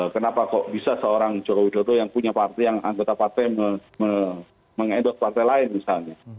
kenapa kok bisa seorang jokowi dodo yang punya partai yang anggota partai meng endorse partai lain misalnya